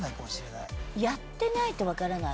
やってないと分からない？